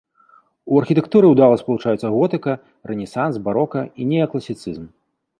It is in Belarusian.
У архітэктуры ўдала спалучаюцца готыка, рэнесанс, барока і неакласіцызм.